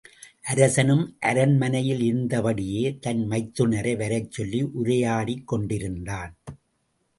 அரசனும், அரண்மனையில் இருந்தபடியே தன் மைத்துனரை வரச்சொல்லி உரையாடிக்கொண்டிருந்தான்.